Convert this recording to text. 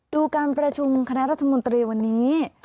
ดูการประชุมคณะรัฐมนตรีวันนี้